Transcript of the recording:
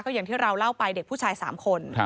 อย่างที่เราเล่าไปเด็กผู้ชาย๓คน